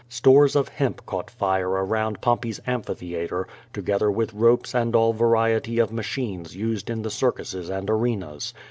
Stores of hemp caught fire around Pompey's Amphitheatre, together with ropes and all variety of machines used in the circuses and arenas.